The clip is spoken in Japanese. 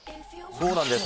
そうなんです。